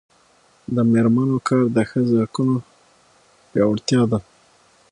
د میرمنو کار د ښځو حقونو پیاوړتیا ده.